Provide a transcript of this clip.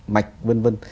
mạch vân vân